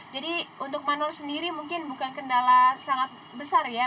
jadi untuk manor sendiri mungkin bukan kendala sangat besar ya